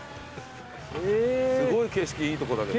すごい景色いいとこだけど。